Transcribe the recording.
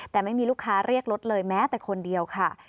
แต่ไม่มีลูกค้าเรียกรถเลยแม้แต่คนเดียวค่ะ